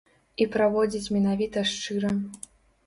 І праводзіць менавіта шчыра.